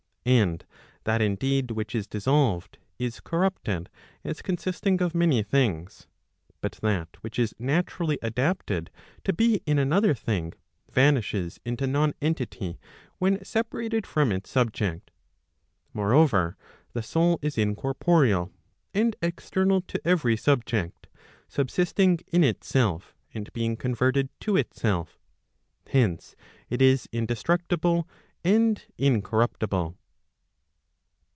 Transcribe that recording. And that indeed, which is dissolved, is corrupted as consisting of many things. But that which is naturally adapted to be in another thing, vanishes into non entity when separated from its subject. Moreover, the soul is incorporeal, and external to every subject, subsisting in itself, and being converted to itself. Hence, it is indestructible and incorruptible.